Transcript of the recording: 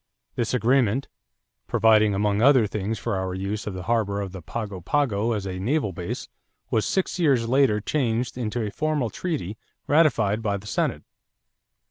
This agreement, providing among other things for our use of the harbor of Pago Pago as a naval base, was six years later changed into a formal treaty ratified by the Senate.